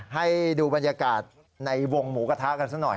ให้ดูบรรยากาศในวงหมูกระทะกันซะหน่อย